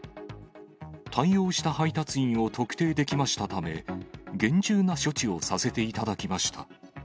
対応した配達員を特定できましたため、厳重な処置をさせていただきました。